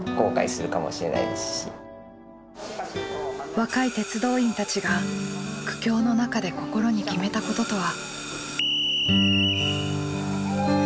若い鉄道員たちが苦境の中で心に決めたこととは。